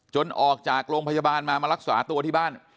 ออกจากโรงพยาบาลมามารักษาตัวที่บ้าน